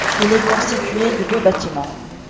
Il est constitué de deux bâtiments.